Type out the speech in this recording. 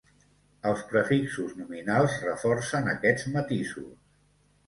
Els prefixos nominals reforcen aquests matisos.